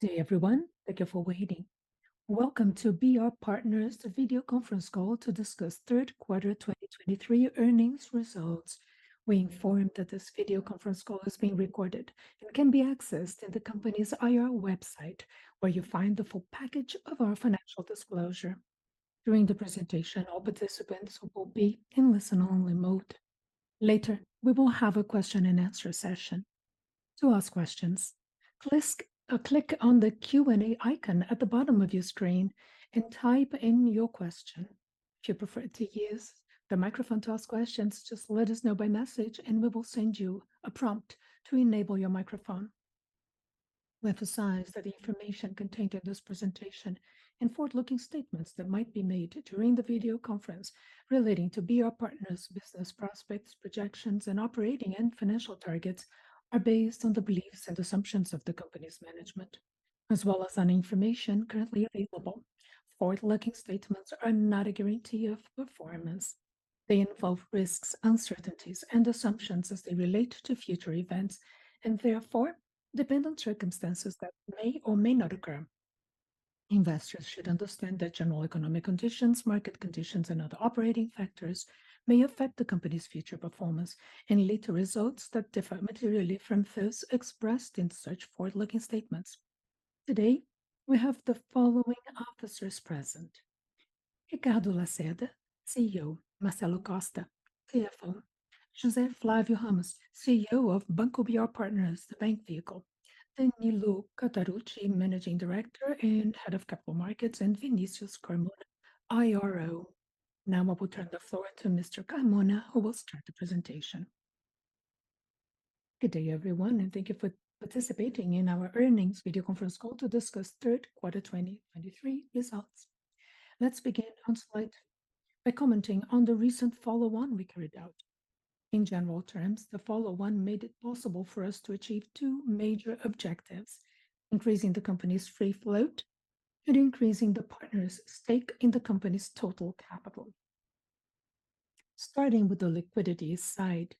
Good day, everyone. Thank you for waiting. Welcome to BR Partners' video conference call to discuss third quarter 2023 earnings results. We inform that this video conference call is being recorded and can be accessed in the company's IR website, where you'll find the full package of our financial disclosure. During the presentation, all participants will be in listen-only mode. Later, we will have a question-and-answer session. To ask questions, click on the Q&A icon at the bottom of your screen and type in your question. If you prefer to use the microphone to ask questions, just let us know by message, and we will send you a prompt to enable your microphone. We emphasize that the information contained in this presentation and forward-looking statements that might be made during the video conference relating to BR Partners' business prospects, projections, and operating and financial targets are based on the beliefs and assumptions of the company's management, as well as on information currently available. Forward-looking statements are not a guarantee of performance. They involve risks, uncertainties and assumptions as they relate to future events, and therefore depend on circumstances that may or may not occur. Investors should understand that general economic conditions, market conditions, and other operating factors may affect the company's future performance and lead to results that differ materially from those expressed in such forward-looking statements. Today, we have the following officers present: Ricardo Lacerda, CEO; Marcelo Costa, CFO;; Danilo Catarucci, Managing Director and Head of Capital Markets; and Vinicius Carmona, IRO. Now I will turn the floor to Mr. Carmona, who will start the presentation. Good day, everyone, and thank you for participating in our earnings video conference call to discuss third quarter 2023 results. Let's begin on slide... By commenting on the recent follow-on we carried out. In general terms, the follow-on made it possible for us to achieve two major objectives: increasing the company's free float and increasing the partners' stake in the company's total capital. Starting with the liquidity side,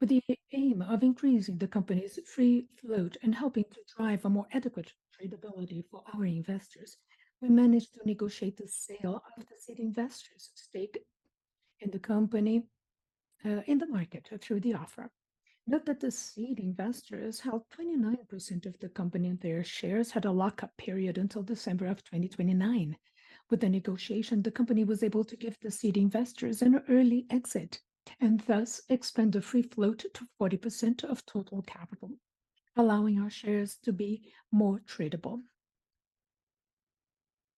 with the aim of increasing the company's free float and helping to drive a more adequate tradability for our investors, we managed to negotiate the sale of the seed investors' stake in the company, in the market through the offer. Note that the seed investors held 29% of the company, and their shares had a lock-up period until December of 2029. With the negotiation, the company was able to give the seed investors an early exit and thus expand the free float to 40% of total capital, allowing our shares to be more tradable.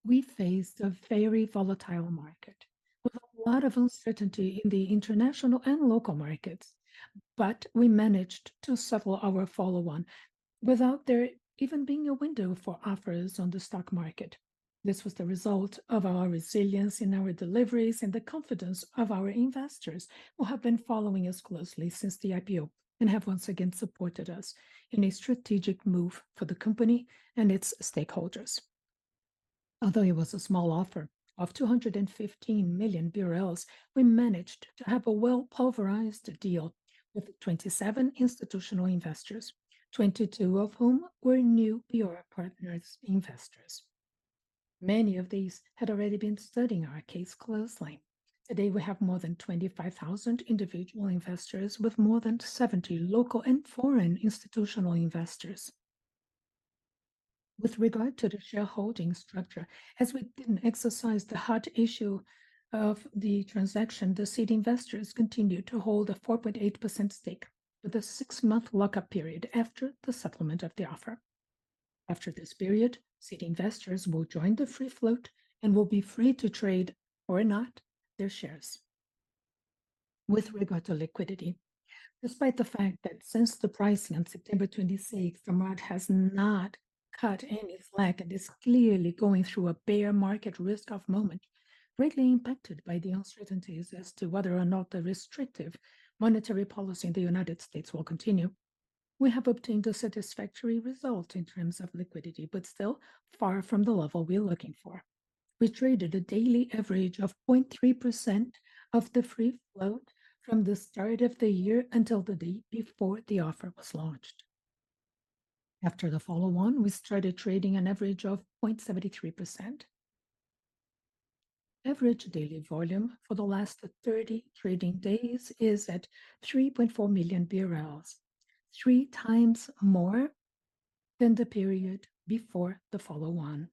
We faced a very volatile market with a lot of uncertainty in the international and local markets, but we managed to settle our follow-on without there even being a window for offers on the stock market. This was the result of our resilience in our deliveries and the confidence of our investors, who have been following us closely since the IPO and have once again supported us in a strategic move for the company and its stakeholders. Although it was a small offer of 215 million, we managed to have a well-diversified deal with 27 institutional investors, 22 of whom were new BR Partners investors. Many of these had already been studying our case closely. Today, we have more than 25,000 individual investors with more than 70 local and foreign institutional investors. With regard to the shareholding structure, as we didn't exercise the hard underwriting of the transaction, the seed investors continued to hold a 4.8% stake with a six-month lock-up period after the settlement of the offer. After this period, seed investors will join the free float and will be free to trade, or not, their shares. With regard to liquidity, despite the fact that since the pricing on September 26th, the market has not cut any slack and is clearly going through a bear market risk-off moment, greatly impacted by the uncertainties as to whether or not the restrictive monetary policy in the United States will continue, we have obtained a satisfactory result in terms of liquidity, but still far from the level we're looking for. We traded a daily average of 0.3% of the free float from the start of the year until the day before the offer was launched. After the follow-on, we started trading an average of 0.73%. Average daily volume for the last 30 trading days is at 3.4 million, 3xmore than the period before the follow-on.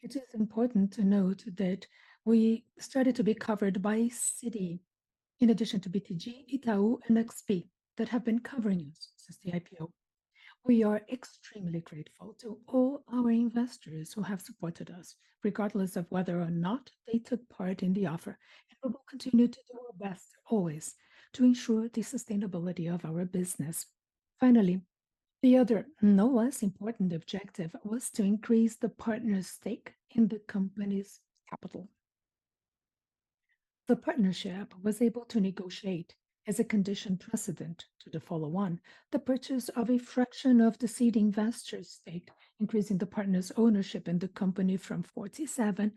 It is important to note that we started to be covered by Citi, in addition to BTG, Itaú, and XP, that have been covering us since the IPO. We are extremely grateful to all our investors who have supported us, regardless of whether or not they took part in the offer, and we will continue to do our best always to ensure the sustainability of our business. Finally, the other, no less important objective, was to increase the partners' stake in the company's capital. The partnership was able to negotiate, as a condition precedent to the follow-on, the purchase of a fraction of the seed investors' stake, increasing the partners' ownership in the company from 47%-55%.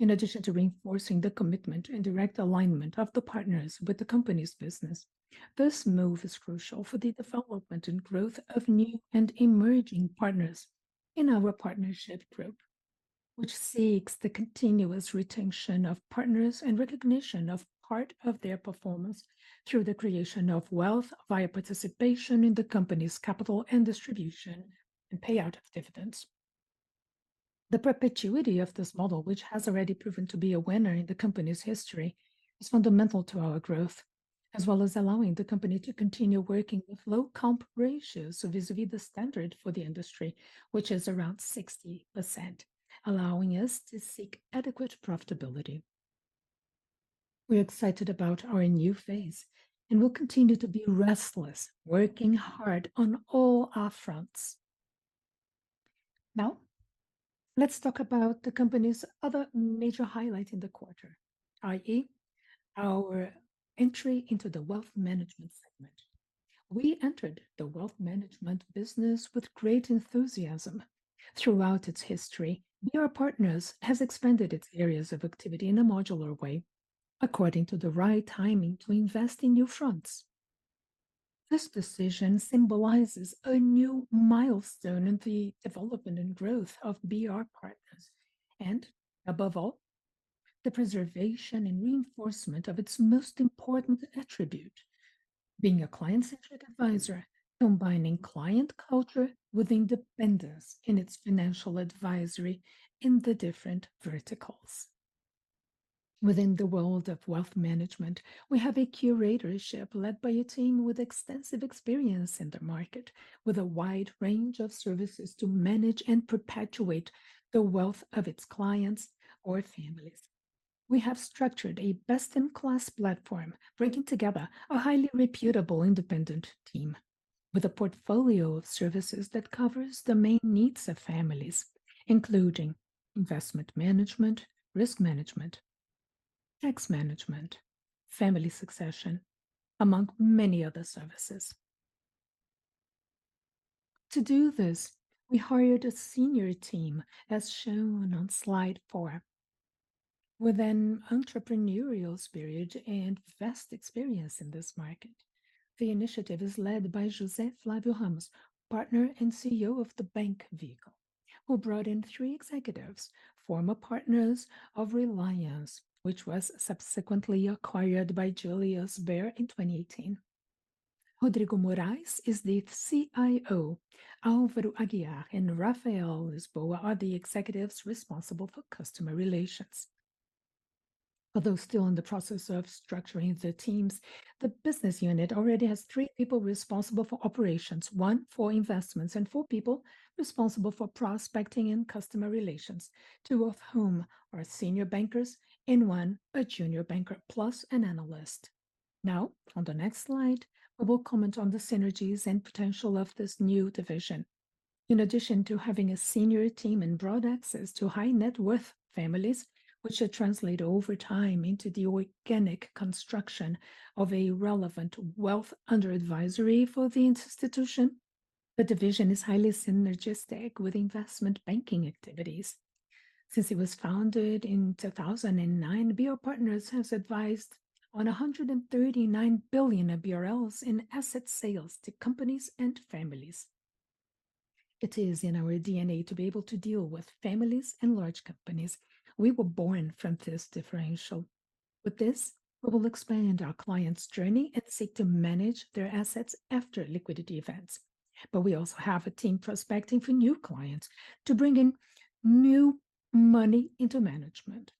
In addition to reinforcing the commitment and direct alignment of the partners with the company's business, this move is crucial for the development and growth of new and emerging partners in our partnership group, which seeks the continuous retention of partners and recognition of part of their performance through the creation of wealth via participation in the company's capital and distribution, and payout of dividends. The perpetuity of this model, which has already proven to be a winner in the company's history, is fundamental to our growth, as well as allowing the company to continue working with low comp ratios vis-a-vis the standard for the industry, which is around 60%, allowing us to seek adequate profitability. We're excited about our new phase, and we'll continue to be restless, working hard on all our fronts. Now, let's talk about the company's other major highlight in the quarter, i.e., our entry into the wealth management segment. We entered the wealth management business with great enthusiasm. Throughout its history, BR Partners has expanded its areas of activity in a modular way, according to the right timing to invest in new fronts. This decision symbolizes a new milestone in the development and growth of BR Partners and, above all, the preservation and reinforcement of its most important attribute, being a client-centric advisor, combining client culture with independence in its financial advisory in the different verticals. Within the world of wealth management, we have a curatorship led by a team with extensive experience in the market, with a wide range of services to manage and perpetuate the wealth of its clients or families. We have structured a best-in-class platform, bringing together a highly reputable, independent team with a portfolio of services that covers the main needs of families, including investment management, risk management, tax management, family succession, among many other services. To do this, we hired a senior team, as shown on slide four, with an entrepreneurial spirit and vast experience in this market. The initiative is led by José Flávio Ramos, partner and CEO of the bank vehicle, who brought in three executives, former partners of Reliance, which was subsequently acquired by Julius Baer in 2018. Rodrigo Moraes is the CIO. Álvaro Aguiar and Rafael Lisboa are the executives responsible for customer relations. Although still in the process of structuring their teams, the business unit already has three people responsible for operations, one for investments, and four people responsible for prospecting and customer relations, two of whom are senior bankers and one a junior banker, plus an analyst. Now, on the next slide, I will comment on the synergies and potential of this new division. In addition to having a senior team and broad access to high-net-worth families, which should translate over time into the organic construction of a relevant wealth under advisory for the institution, the division is highly synergistic with investment banking activities. Since it was founded in 2009, BR Partners has advised on 139 billion BRL in asset sales to companies and families. It is in our DNA to be able to deal with families and large companies. We were born from this differential. With this, we will expand our clients' journey and seek to manage their assets after liquidity events. But we also have a team prospecting for new clients to bring in new money into management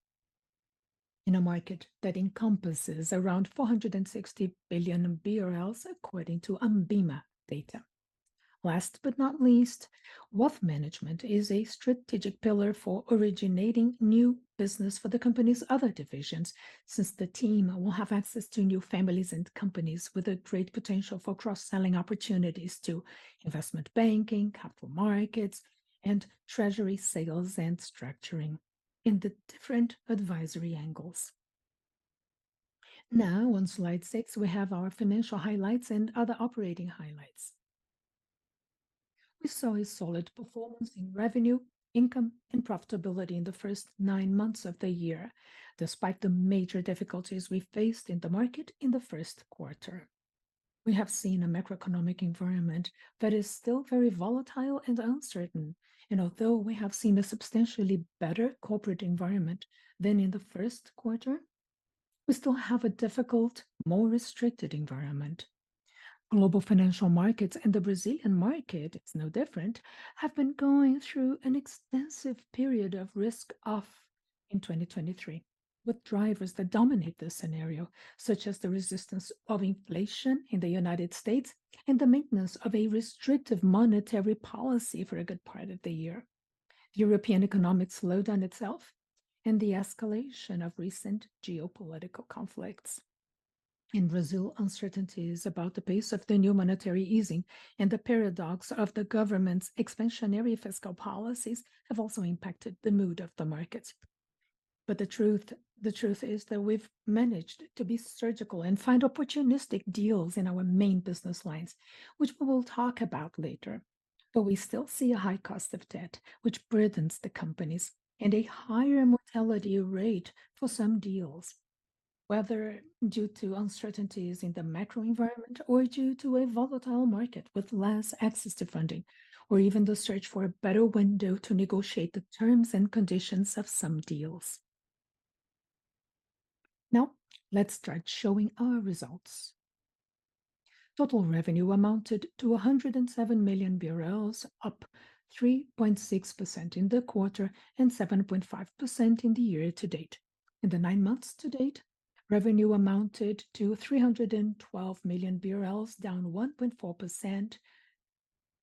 in a market that encompasses around 460 billion BRL, according to ANBIMA data. Last but not least, wealth management is a strategic pillar for originating new business for the company's other divisions, since the team will have access to new families and companies with a great potential for cross-selling opportunities to investment banking, capital markets, and treasury sales and structuring in the different advisory angles. Now, on slide six, we have our financial highlights and other operating highlights. We saw a solid performance in revenue, income, and profitability in the first nine months of the year, despite the major difficulties we faced in the market in the first quarter. We have seen a macroeconomic environment that is still very volatile and uncertain, and although we have seen a substantially better corporate environment than in the first quarter, we still have a difficult, more restricted environment. Global financial markets, and the Brazilian market is no different, have been going through an extensive period of risk-off in 2023, with drivers that dominate the scenario, such as the resistance of inflation in the United States and the maintenance of a restrictive monetary policy for a good part of the year, the European economic slowdown itself, and the escalation of recent geopolitical conflicts. In Brazil, uncertainties about the pace of the new monetary easing and the paradox of the government's expansionary fiscal policies have also impacted the mood of the markets. But the truth, the truth is that we've managed to be surgical and find opportunistic deals in our main business lines, which we will talk about later. But we still see a high cost of debt, which burdens the companies, and a higher mortality rate for some deals... whether due to uncertainties in the macro environment or due to a volatile market with less access to funding, or even the search for a better window to negotiate the terms and conditions of some deals. Now, let's start showing our results. Total revenue amounted to 107 million BRL, up 3.6% in the quarter, and 7.5% in the year to date. In the nine months to date, revenue amounted to 312 million BRL, down 1.4%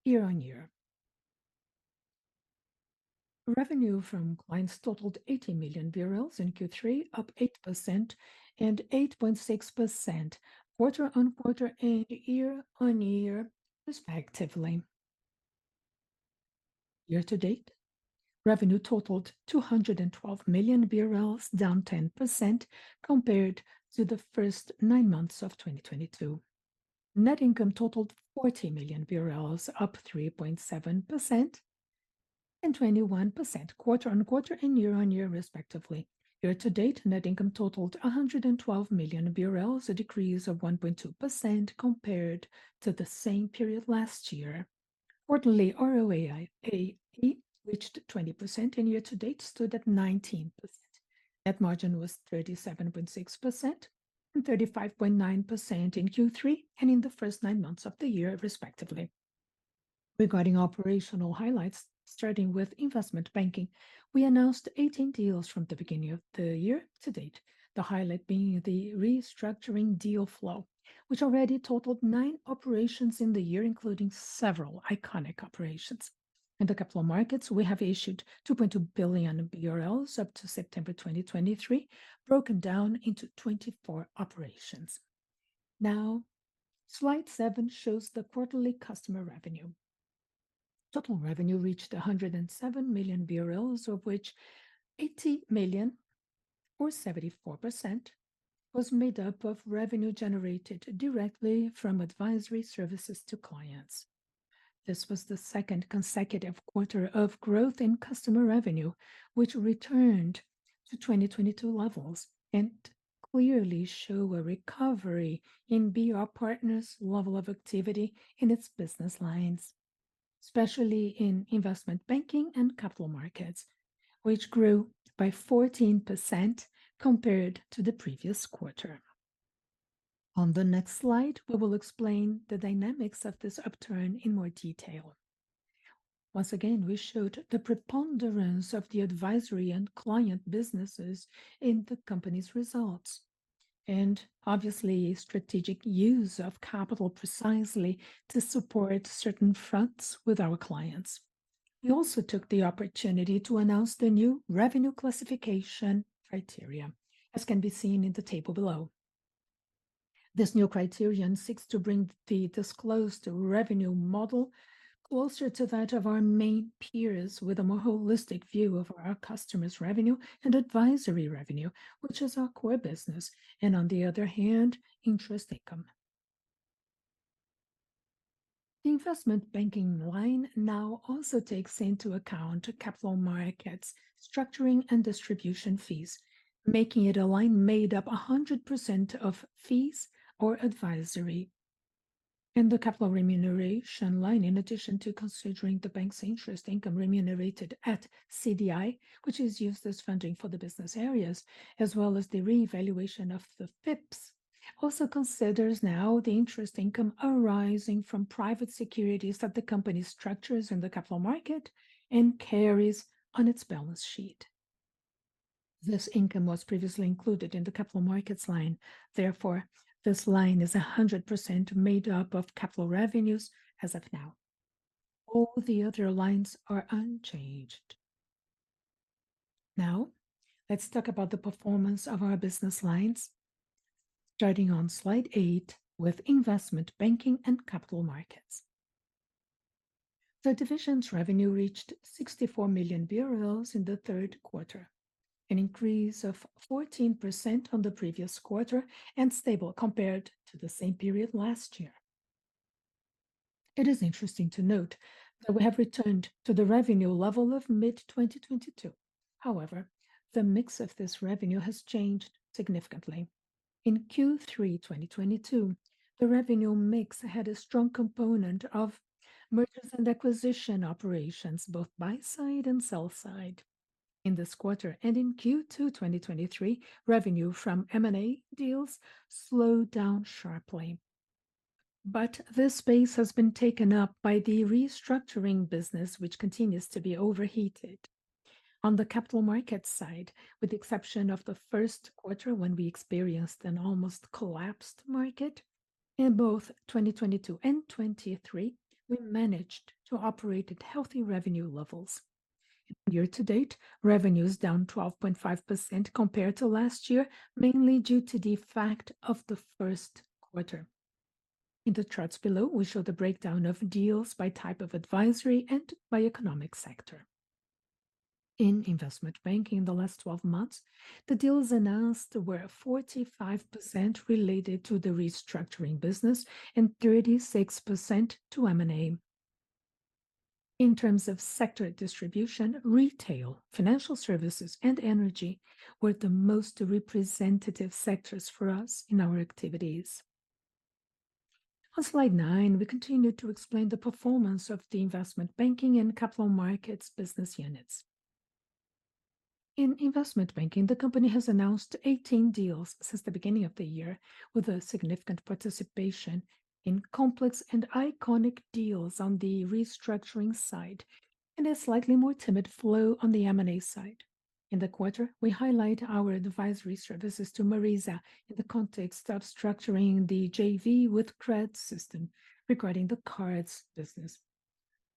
year-on-year. Revenue from clients totaled 80 million BRL in Q3, up 8% and 8.6% quarter-on-quarter and year-on-year, respectively. Year to date, revenue totaled 212 million BRL, down 10% compared to the first nine months of 2022. Net income totaled 40 million BRL, up 3.7% and 21% quarter-on-quarter and year-on-year, respectively. Year to date, net income totaled 112 million, a decrease of 1.2% compared to the same period last year. Quarterly ROAE reached 20%, and year to date stood at 19%. Net margin was 37.6% and 35.9% in Q3, and in the first nine months of the year, respectively. Regarding operational highlights, starting with investment banking, we announced 18 deals from the beginning of the year to date. The highlight being the restructuring deal flow, which already totaled nine operations in the year, including several iconic operations. In the capital markets, we have issued BRL 2.2 billion up to September 2023, broken down into 24 operations. Now, slide seven shows the quarterly customer revenue. Total revenue reached 107 million BRL, of which 80 million, or 74%, was made up of revenue generated directly from advisory services to clients. This was the second consecutive quarter of growth in customer revenue, which returned to 2022 levels and clearly show a recovery in BR Partners' level of activity in its business lines, especially in investment banking and capital markets, which grew by 14% compared to the previous quarter. On the next slide, we will explain the dynamics of this upturn in more detail. Once again, we showed the preponderance of the advisory and client businesses in the company's results, and obviously, strategic use of capital, precisely to support certain fronts with our clients. We also took the opportunity to announce the new revenue classification criteria, as can be seen in the table below. This new criterion seeks to bring the disclosed revenue model closer to that of our main peers, with a more holistic view of our customers' revenue and advisory revenue, which is our core business, and on the other hand, interest income. The investment banking line now also takes into account capital markets, structuring and distribution fees, making it a line made up 100% of fees or advisory. The capital remuneration line, in addition to considering the bank's interest income remunerated at CDI, which is used as funding for the business areas, as well as the reevaluation of the FIPs, also considers now the interest income arising from private securities that the company structures in the capital market and carries on its balance sheet. This income was previously included in the capital markets line. Therefore, this line is 100% made up of capital revenues as of now. All the other lines are unchanged. Now, let's talk about the performance of our business lines, starting on slide eight with investment banking and capital markets. The division's revenue reached 64 million BRL in the third quarter, an increase of 14% on the previous quarter and stable compared to the same period last year. It is interesting to note that we have returned to the revenue level of mid-2022. However, the mix of this revenue has changed significantly. In Q3 2022, the revenue mix had a strong component of mergers and acquisition operations, both buy side and sell side. In this quarter and in Q2 2023, revenue from M&A deals slowed down sharply. But this space has been taken up by the restructuring business, which continues to be overheated. On the capital markets side, with the exception of the first quarter, when we experienced an almost collapsed market, in both 2022 and 2023, we managed to operate at healthy revenue levels. Year to date, revenue is down 12.5% compared to last year, mainly due to the effect of the first quarter. In the charts below, we show the breakdown of deals by type of advisory and by economic sector. In investment banking in the last 12 months, the deals announced were 45% related to the restructuring business and 36% to M&A. In terms of sector distribution, retail, financial services, and energy were the most representative sectors for us in our activities. On slide nine, we continue to explain the performance of the investment banking and capital markets business units. In investment banking, the company has announced 18 deals since the beginning of the year, with a significant participation in complex and iconic deals on the restructuring side, and a slightly more timid flow on the M&A side. In the quarter, we highlight our advisory services to Marisa in the context of structuring the JV with Credsystem regarding the cards business,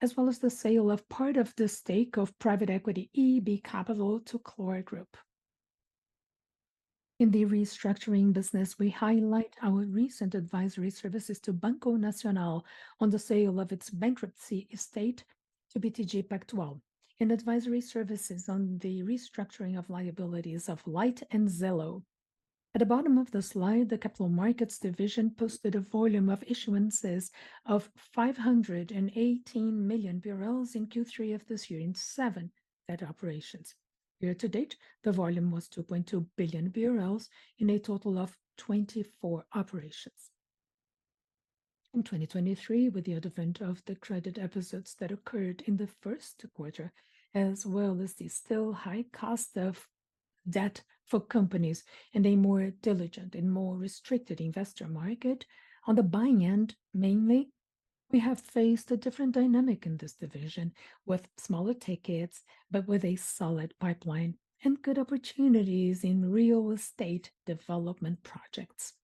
as well as the sale of part of the stake of private equity EB Capital to Valgroup. In the restructuring business, we highlight our recent advisory services to Banco Nacional on the sale of its bankruptcy estate to BTG Pactual, and advisory services on the restructuring of liabilities of Light and Zelo. At the bottom of the slide, the capital markets division posted a volume of issuances of 518 million BRL in Q3 of this year in seven debt operations. Year to date, the volume was 2.2 billion BRL in a total of 24 operations. In 2023, with the advent of the credit episodes that occurred in the first quarter, as well as the still high cost of debt for companies and a more diligent and more restricted investor market on the buying end, mainly, we have faced a different dynamic in this division with smaller tickets, but with a solid pipeline and good opportunities in real estate development projects.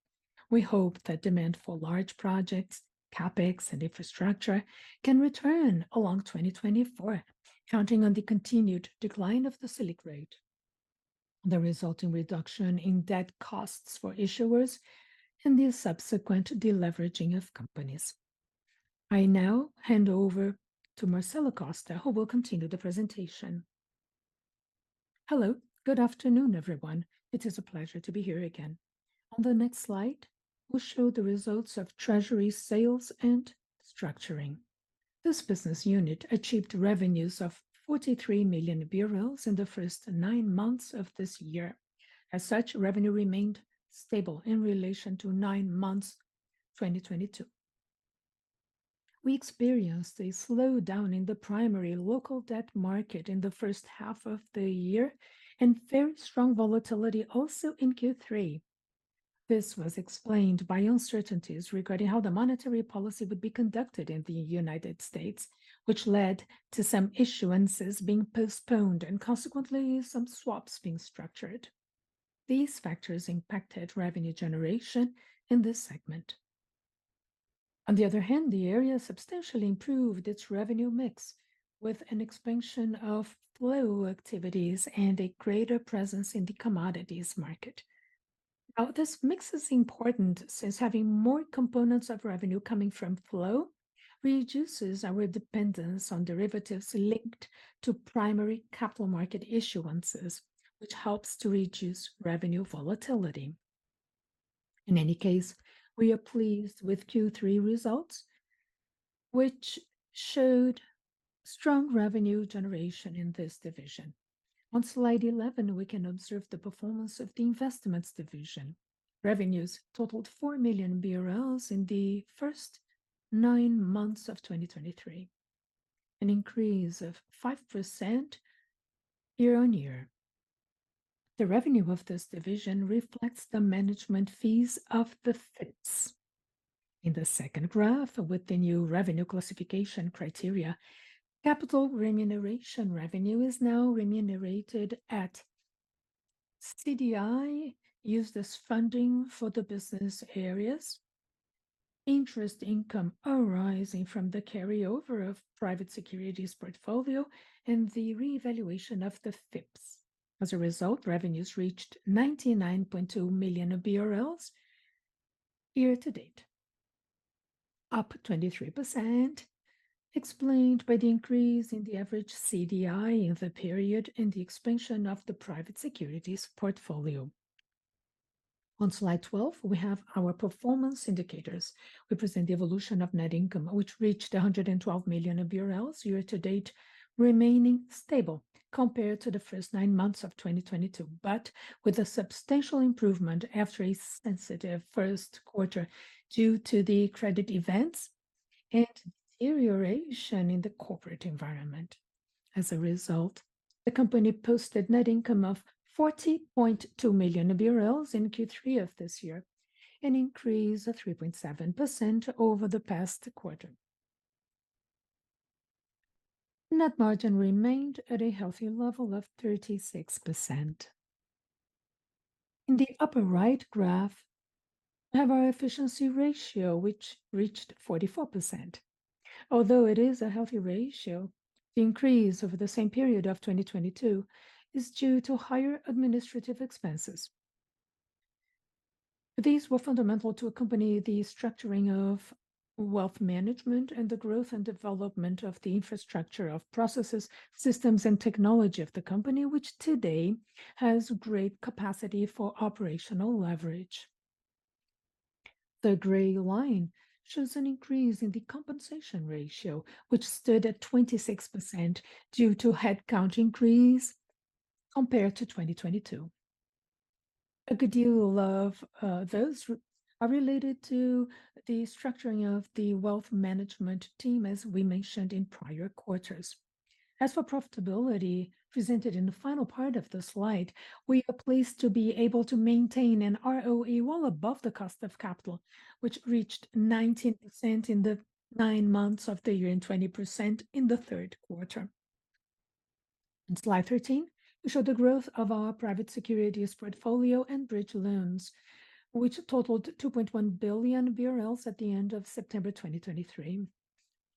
We hope that demand for large projects, CapEx, and infrastructure can return along 2024, counting on the continued decline of the Selic rate, the resulting reduction in debt costs for issuers, and the subsequent deleveraging of companies. I now hand over to Marcelo Costa, who will continue the presentation. Hello, good afternoon, everyone. It is a pleasure to be here again. On the next slide, we'll show the results of treasury sales and structuring. This business unit achieved revenues of BRL 43 million in the first nine months of this year. As such, revenue remained stable in relation to nine months, 2022. We experienced a slowdown in the primary local debt market in the first half of the year and very strong volatility also in Q3. This was explained by uncertainties regarding how the monetary policy would be conducted in the United States, which led to some issuances being postponed and consequently, some swaps being structured. These factors impacted revenue generation in this segment. On the other hand, the area substantially improved its revenue mix with an expansion of flow activities and a greater presence in the commodities market. Now, this mix is important since having more components of revenue coming from flow reduces our dependence on derivatives linked to primary capital market issuances, which helps to reduce revenue volatility. In any case, we are pleased with Q3 results, which showed strong revenue generation in this division. On slide 11, we can observe the performance of the investments division. Revenues totaled 4 million BRL in the first nine months of 2023, an increase of 5% year-on-year. The revenue of this division reflects the management fees of the FIPs. In the second graph, with the new revenue classification criteria, capital remuneration revenue is now remunerated at CDI, used as funding for the business areas, interest income arising from the carryover of private securities portfolio, and the reevaluation of the FIPs. As a result, revenues reached BRL 99.2 million year to date, up 23%, explained by the increase in the average CDI in the period and the expansion of the private securities portfolio. On slide 12, we have our performance indicators. We present the evolution of net income, which reached 112 million year to date, remaining stable compared to the first 9 months of 2022, but with a substantial improvement after a sensitive first quarter due to the credit events and deterioration in the corporate environment. As a result, the company posted net income of BRL 40.2 million in Q3 of this year, an increase of 3.7% over the past quarter. Net margin remained at a healthy level of 36%. In the upper right graph, we have our efficiency ratio, which reached 44%. Although it is a healthy ratio, the increase over the same period of 2022 is due to higher administrative expenses. These were fundamental to accompany the structuring of wealth management and the growth and development of the infrastructure of processes, systems, and technology of the company, which today has great capacity for operational leverage.... The gray line shows an increase in the compensation ratio, which stood at 26% due to headcount increase compared to 2022. A good deal of those are related to the structuring of the wealth management team, as we mentioned in prior quarters. As for profitability presented in the final part of the slide, we are pleased to be able to maintain an ROE well above the cost of capital, which reached 19% in the nine months of the year, and 20% in the third quarter. In slide 13, we show the growth of our private securities portfolio and bridge loans, which totaled 2.1 billion at the end of September 2023,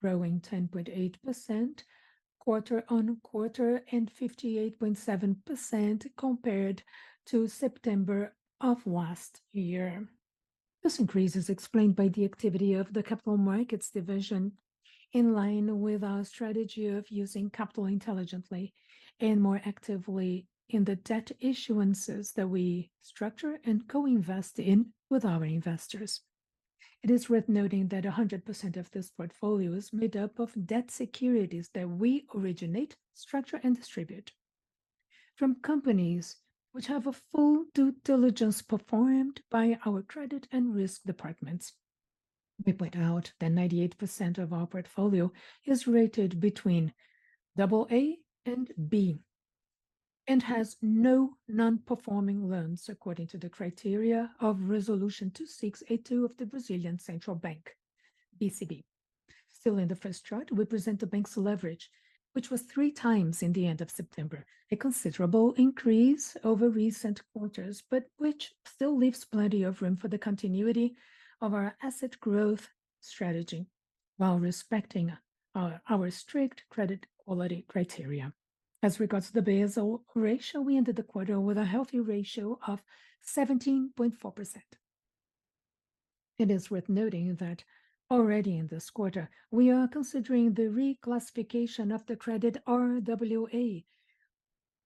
growing 10.8% quarter-on-quarter, and 58.7% compared to September of last year. This increase is explained by the activity of the capital markets division, in line with our strategy of using capital intelligently and more actively in the debt issuances that we structure and co-invest in with our investors. It is worth noting that 100% of this portfolio is made up of debt securities that we originate, structure, and distribute from companies which have a full due diligence performed by our credit and risk departments. We point out that 98% of our portfolio is rated between double A and B, and has no non-performing loans according to the criteria of Resolution 2682 of the Brazilian Central Bank, BCB. Still, in the first chart, we present the bank's leverage, which was 3x in the end of September, a considerable increase over recent quarters, but which still leaves plenty of room for the continuity of our asset growth strategy, while respecting our strict credit quality criteria. As regards to the Basel ratio, we ended the quarter with a healthy ratio of 17.4%. It is worth noting that already in this quarter, we are considering the reclassification of the credit RWA,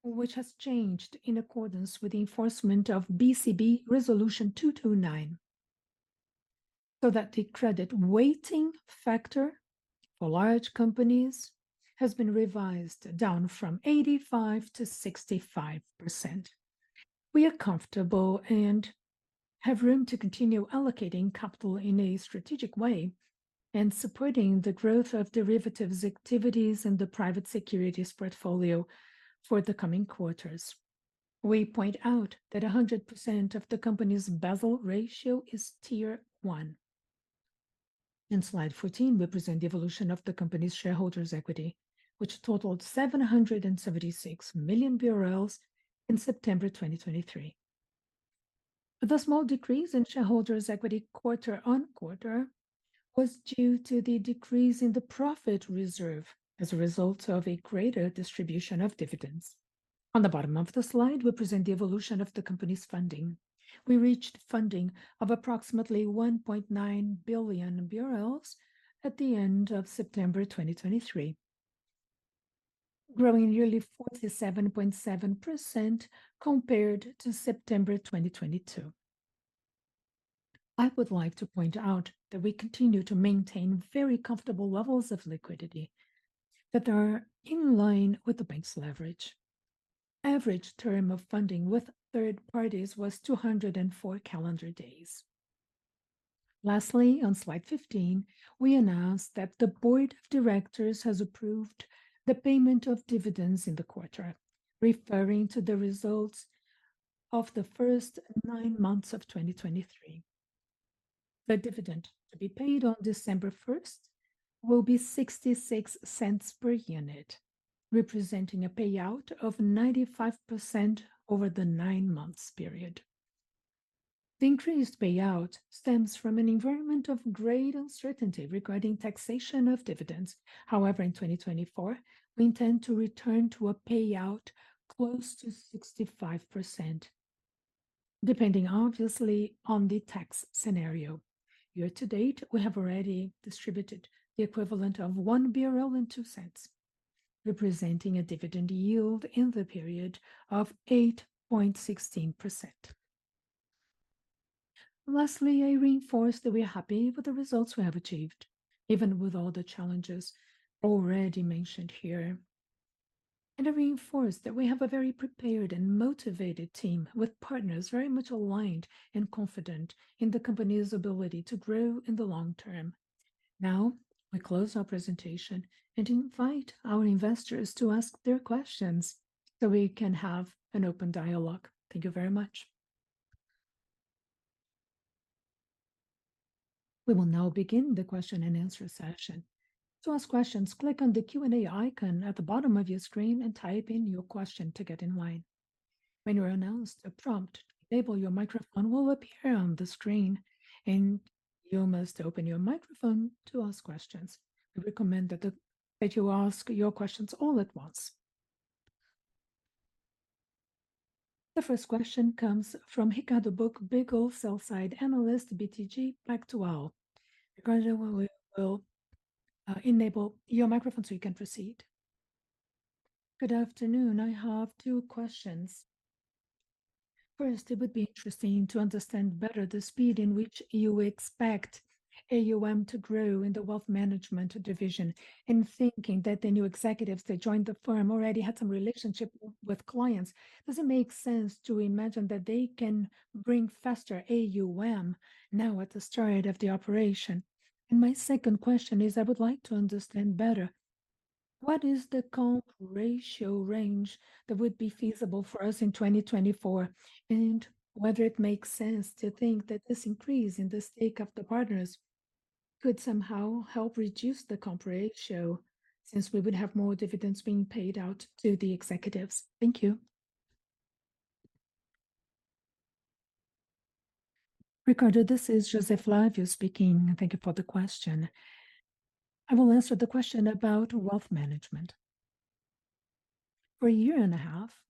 which has changed in accordance with the enforcement of BCB Resolution 229, so that the credit weighting factor for large companies has been revised down from 85%-65%. We are comfortable and have room to continue allocating capital in a strategic way and supporting the growth of derivatives activities in the private securities portfolio for the coming quarters. We point out that 100% of the company's Basel ratio is Tier I. In slide 14, we present the evolution of the company's shareholders' equity, which totaled 776 million BRL in September 2023. The small decrease in shareholders' equity quarter on quarter was due to the decrease in the profit reserve as a result of a greater distribution of dividends. On the bottom of the slide, we present the evolution of the company's funding. We reached funding of approximately 1.9 billion BRL at the end of September 2023, growing nearly 47.7% compared to September 2022. I would like to point out that we continue to maintain very comfortable levels of liquidity that are in line with the bank's leverage. Average term of funding with third parties was 204 calendar days. Lastly, on slide 15, we announce that the board of directors has approved the payment of dividends in the quarter, referring to the results of the first nine months of 2023. The dividend to be paid on December 1 will be 0.66 per unit, representing a payout of 95% over the nine months period. The increased payout stems from an environment of great uncertainty regarding taxation of dividends. However, in 2024, we intend to return to a payout close to 65%, depending obviously on the tax scenario. Year to date, we have already distributed the equivalent of 1.02, representing a dividend yield in the period of 8.16%. Lastly, I reinforce that we are happy with the results we have achieved, even with all the challenges already mentioned here, and I reinforce that we have a very prepared and motivated team, with partners very much aligned and confident in the company's ability to grow in the long term. Now, we close our presentation and invite our investors to ask their questions, so we can have an open dialogue. Thank you very much. We will now begin the question and answer session. To ask questions, click on the Q&A icon at the bottom of your screen and type in your question to get in line. When you are announced, a prompt to enable your microphone will appear on the screen, and you must open your microphone to ask questions. We recommend that you ask your questions all at once. The first question comes from Ricardo Buck, sell-side analyst, BTG Pactual. Ricardo, we will enable your microphone so you can proceed. Good afternoon. I have two questions. First, it would be interesting to understand better the speed in which you expect AUA to grow in the wealth management division. In thinking that the new executives that joined the firm already had some relationship with clients, does it make sense to imagine that they can bring faster AUA now at the start of the operation? My second question is, I would like to understand better what is the comp ratio range that would be feasible for us in 2024, and whether it makes sense to think that this increase in the stake of the partners could somehow help reduce the comp ratio, since we would have more dividends being paid out to the executives? Thank you. Ricardo, this is José Flávio speaking. Thank you for the question. I will answer the question about wealth management. For a year and a half,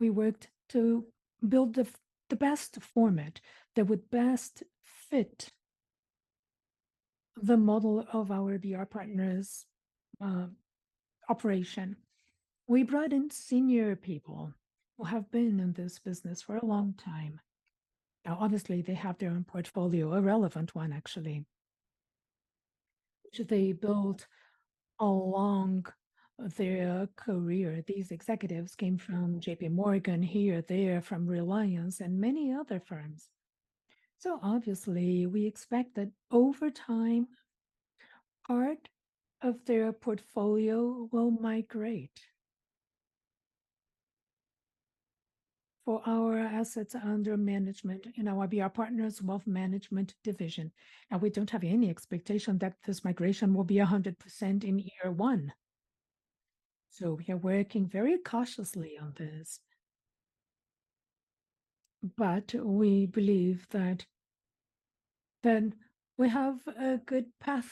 we worked to build the best format that would best fit the model of our BR Partners operation. We brought in senior people who have been in this business for a long time. Now, obviously, they have their own portfolio, a relevant one, actually, which they built along their career. These executives came from JPMorgan, here, there, from Reliance and many other firms. So obviously, we expect that over time, part of their portfolio will migrate for our assets under management in our BR Partners wealth management division. And we don't have any expectation that this migration will be 100% in year one. So we are working very cautiously on this, but we believe that then we have a good path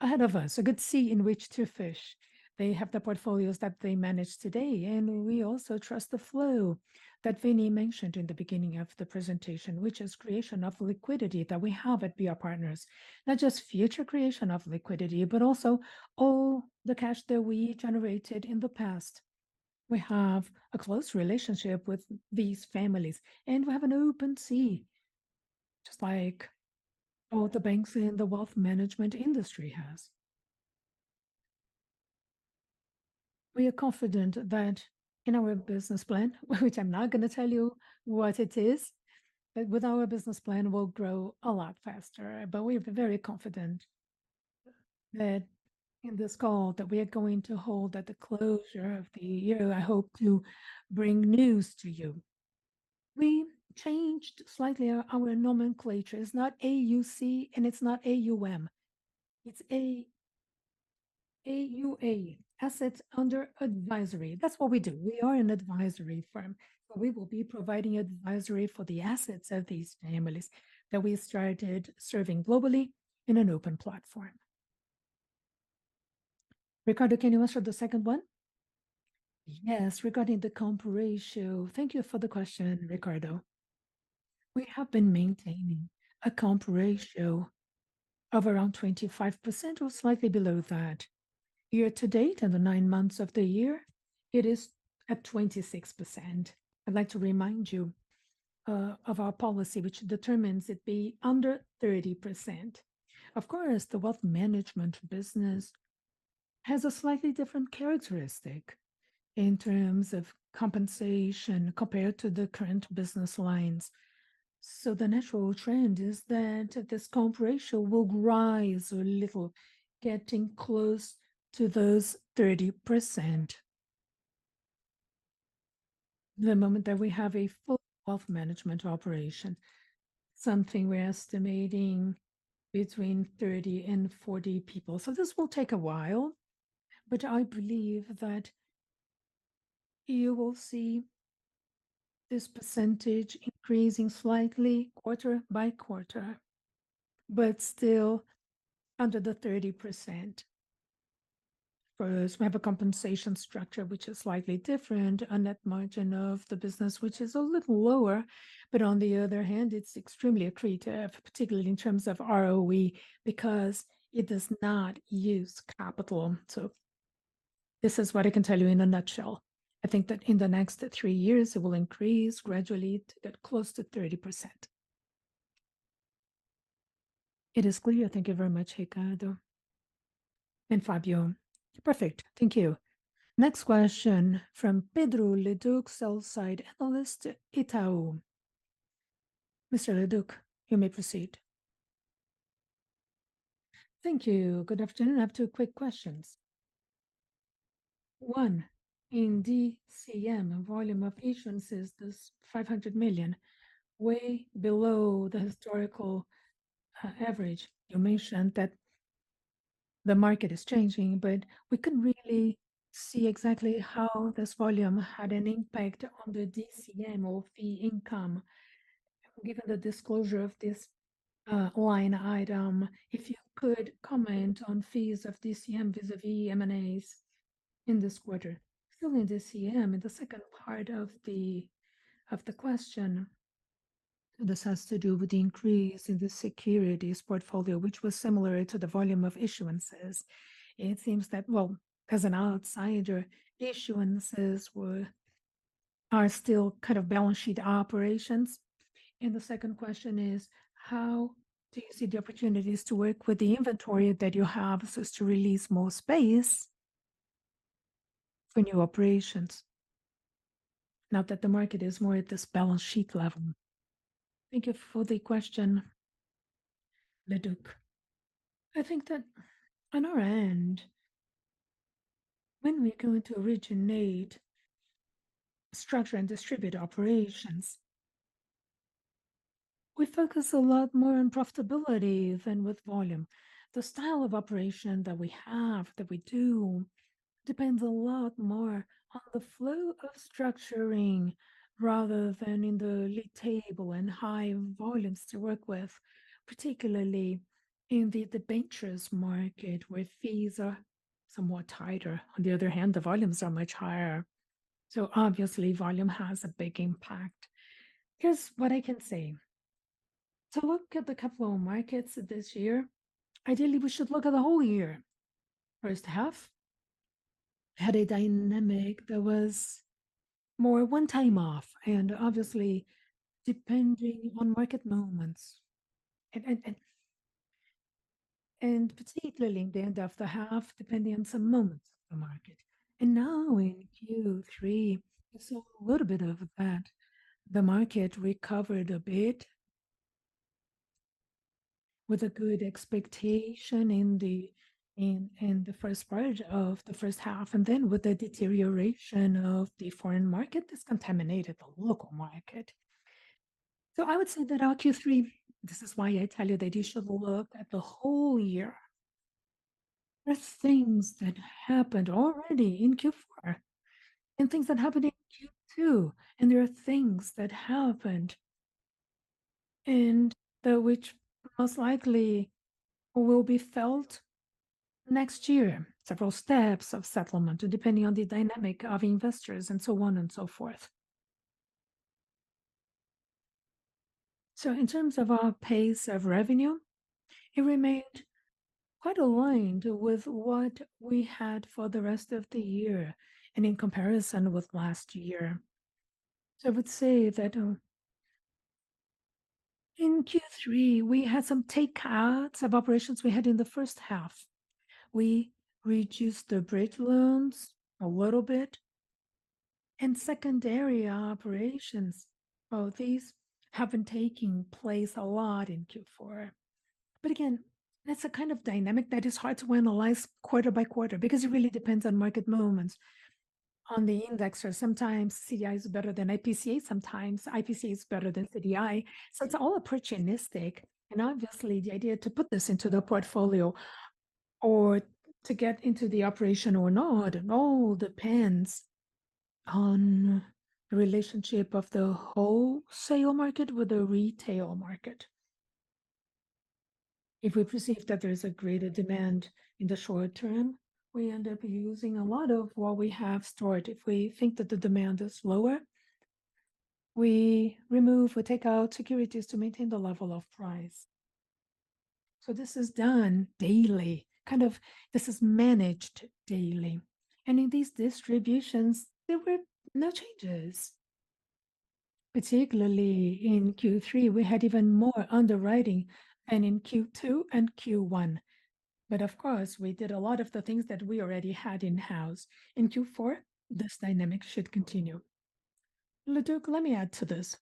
ahead of us, a good sea in which to fish. They have the portfolios that they manage today, and we also trust the flow that Vini mentioned in the beginning of the presentation, which is creation of liquidity that we have at BR Partners. Not just future creation of liquidity, but also all the cash that we generated in the past. We have a close relationship with these families, and we have an open architecture, just like all the banks in the wealth management industry has. We are confident that in our business plan, which I'm not gonna tell you what it is, but with our business plan, we'll grow a lot faster. But we're very confident that in this call that we are going to hold at the closure of the year, I hope to bring news to you. We changed slightly our nomenclature. It's not AUC and it's not AUM. It's AUA, assets under advisory. That's what we do. We are an advisory firm, but we will be providing advisory for the assets of these families that we started serving globally in an open platform. Ricardo, can you answer the second one? Yes, regarding the comp ratio. Thank you for the question, Ricardo. We have been maintaining a comp ratio of around 25% or slightly below that. Year to date, in the nine months of the year, it is at 26%. I'd like to remind you of our policy, which determines it be under 30%. Of course, the wealth management business has a slightly different characteristic in terms of compensation compared to the current business lines. So the natural trend is that this comp ratio will rise a little, getting close to those 30%. The moment that we have a full wealth management operation, something we're estimating between 30 and 40 people. So this will take a while, but I believe that you will see this percentage increasing slightly quarter by quarter, but still under the 30%. First, we have a compensation structure which is slightly different, a net margin of the business, which is a little lower. But on the other hand, it's extremely accretive, particularly in terms of ROE, because it does not use capital. So this is what I can tell you in a nutshell. I think that in the next three years, it will increase gradually to get close to 30%. It is clear. Thank you very much, Ricardo and Flávio. Perfect. Thank you. Next question from Pedro Leduc, sell-side analyst, Itaú. Mr. Leduc, you may proceed. Thank you. Good afternoon. I have two quick questions. One, in DCM, a volume of issuances is 500 million, way below the historical average. You mentioned that the market is changing, but we could really see exactly how this volume had an impact on the DCM or fee income. Given the disclosure of this line item, if you could comment on fees of DCM vis-à-vis M&As in this quarter? Still in DCM, in the second part of the question. This has to do with the increase in the securities portfolio, which was similar to the volume of issuances. It seems that, well, as an outsider, issuances were, are still kind of balance sheet operations. And the second question is, how do you see the opportunities to work with the inventory that you have so as to release more space for new operations now that the market is more at this balance sheet level? Thank you for the question, Leduc. I think that on our end, when we go to originate, structure, and distribute operations, we focus a lot more on profitability than with volume. The style of operation that we have, that we do, depends a lot more on the flow of structuring rather than in the league table and high volumes to work with, particularly in the debentures market, where fees are somewhat tighter. On the other hand, the volumes are much higher, so obviously volume has a big impact. Here's what I can say. To look at the capital markets this year, ideally, we should look at the whole year. First half had a dynamic that was more one time off, and obviously depending on market moments, and particularly in the end of the half, depending on some moments of the market. Now in Q3, we saw a little bit of that. The market recovered a bit with a good expectation in the first part of the first half, and then with the deterioration of the foreign market, this contaminated the local market. So I would say that our Q3, this is why I tell you that you should look at the whole year. There are things that happened already in Q4 and things that happened in Q2, and there are things that happened and that which most likely will be felt next year, several steps of settlement, depending on the dynamic of investors, and so on and so forth. So in terms of our pace of revenue, it remained quite aligned with what we had for the rest of the year and in comparison with last year. So I would say that in Q3, we had some takeouts of operations we had in the first half. We reduced the bridge loans a little bit, and secondary operations, oh, these have been taking place a lot in Q4. But again, that's a kind of dynamic that is hard to analyze quarter by quarter because it really depends on market moments. On the index, or sometimes CDI is better than IPCA, sometimes IPCA is better than CDI. So it's all opportunistic, and obviously, the idea to put this into the portfolio or to get into the operation or not at all depends on the relationship of the wholesale market with the retail market. If we perceive that there is a greater demand in the short term, we end up using a lot of what we have stored. If we think that the demand is lower, we remove, we take out securities to maintain the level of price. So this is done daily, kind of this is managed daily, and in these distributions, there were no changes. Particularly in Q3, we had even more underwriting than in Q2 and Q1, but of course, we did a lot of the things that we already had in-house. In Q4, this Danilo should continue. Leduc, let me add to this.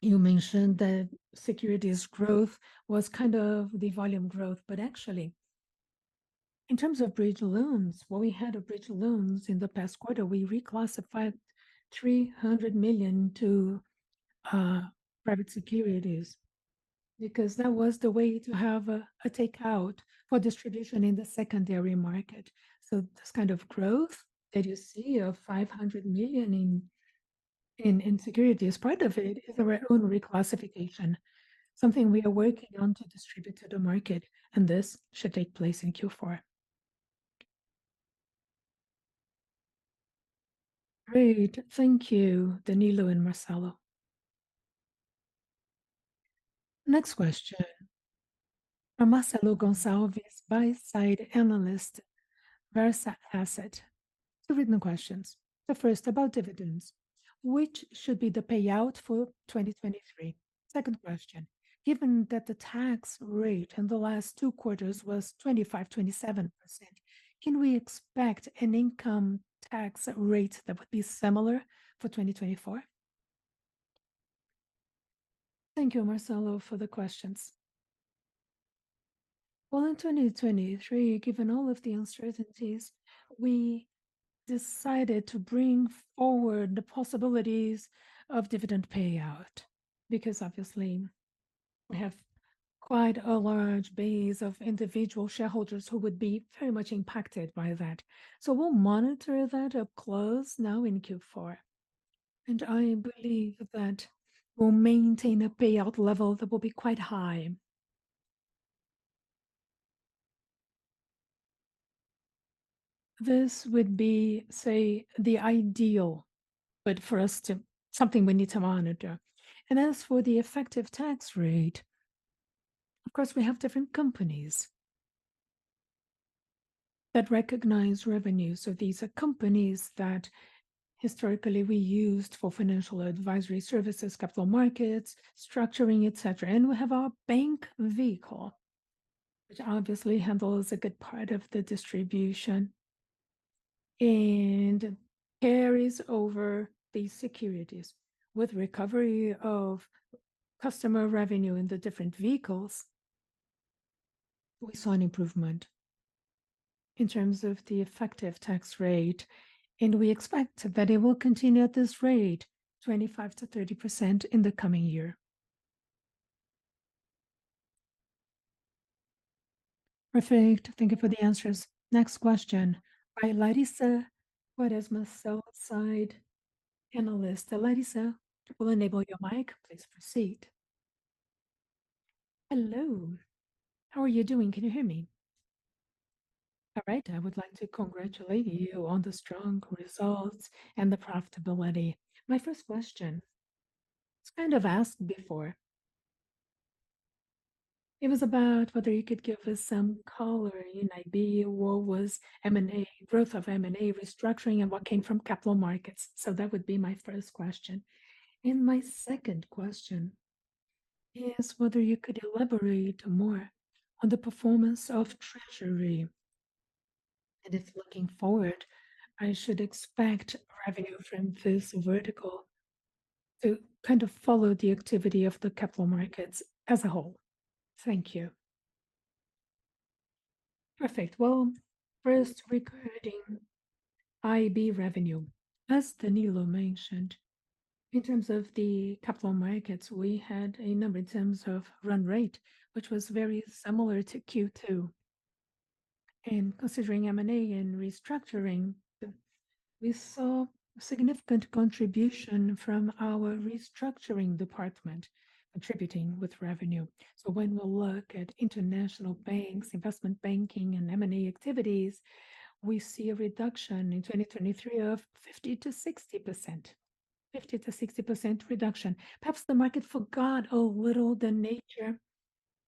You mentioned that securities growth was kind of the volume growth, but actually, in terms of bridge loans, what we had of bridge loans in the past quarter, we reclassified 300 million to private securities, because that was the way to have a takeout for distribution in the secondary market. So this kind of growth that you see of 500 million in securities, part of it is our own reclassification, something we are working on to distribute to the market, and this should take place in Q4. Great. Thank you, Danilo and Marcelo. Next question, from Marcelo Gonçalves, buy-side analyst, Versa Asset. Two written questions. The first about dividends: Which should be the payout for 2023? Second question: Given that the tax rate in the last two quarters was 25%, 27%, can we expect an income tax rate that would be similar for 2024? Thank you, Marcelo, for the questions. Well, in 2023, given all of the uncertainties, we decided to bring forward the possibilities of dividend payout, because obviously we have quite a large base of individual shareholders who would be very much impacted by that. So we'll monitor that up close now in Q4, and I believe that we'll maintain a payout level that will be quite high. This would be, say, the ideal, but for us to, something we need to monitor. And as for the effective tax rate, of course, we have different companies that recognize revenue. So these are companies that historically we used for financial advisory services, capital markets, structuring, et cetera. And we have our bank vehicle, which obviously handles a good part of the distribution and carries over these securities. With recovery of customer revenue in the different vehicles, we saw an improvement in terms of the effective tax rate, and we expect that it will continue at this rate, 25%-30%, in the coming year. Perfect. Thank you for the answers. Next question by Larissa Quaresma, sell-side analyst. Larisa, we'll enable your mic. Please proceed. Hello. How are you doing? Can you hear me? All right, I would like to congratulate you on the strong results and the profitability. My first question was kind of asked before. It was about whether you could give us some color in IB, what was M&A growth of M&A restructuring and what came from capital markets. So that would be my first question. And my second question is whether you could elaborate more on the performance of Treasury, and if looking forward, I should expect revenue from this vertical to kind of follow the activity of the capital markets as a whole. Thank you. Perfect. Well, first, regarding IB revenue, as Danilo mentioned, in terms of the capital markets, we had a number in terms of run rate, which was very similar to Q2. And considering M&A and restructuring, we saw significant contribution from our restructuring department contributing with revenue. So when we look at international banks, investment banking, and M&A activities, we see a reduction in 2023 of 50%-60%. 50%-60% reduction. Perhaps the market forgot a little the nature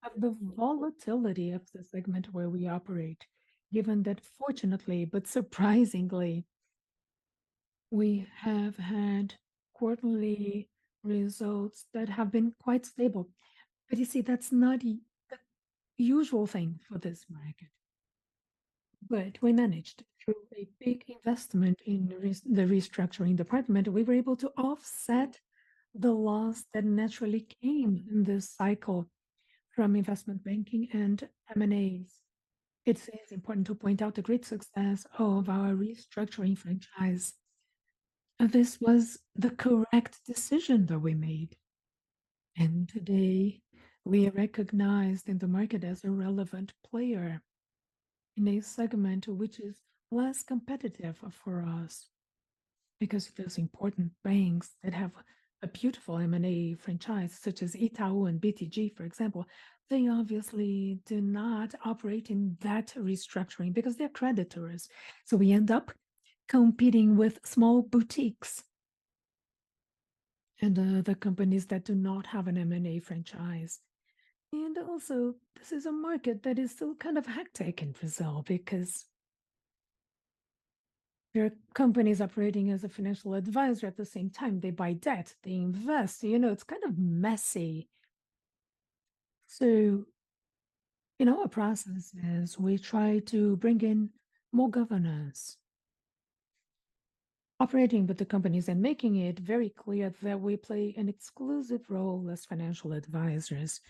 of the volatility of the segment where we operate, given that fortunately, but surprisingly, we have had quarterly results that have been quite stable. But you see, that's not the usual thing for this market. But we managed. Through a big investment in the restructuring department, we were able to offset the loss that naturally came in this cycle from investment banking and M&As. It is important to point out the great success of our restructuring franchise. This was the correct decision that we made, and today we are recognized in the market as a relevant player in a segment which is less competitive for us because of those important banks that have a beautiful M&A franchise, such as Itaú and BTG, for example. They obviously do not operate in that restructuring because they're creditors, so we end up competing with small boutiques and, the companies that do not have an M&A franchise. And also, this is a market that is still kind of hectic in Brazil because there are companies operating as a financial advisor at the same time. They buy debt, they invest. You know, it's kind of messy. So in our processes, we try to bring in more governance, operating with the companies and making it very clear that we play an exclusive role as financial advisors,